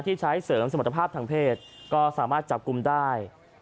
ที่ใช้เสริมสมรรถภาพทางเพศก็สามารถจับกลุ่มได้